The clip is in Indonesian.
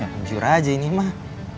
jujur aja ini mah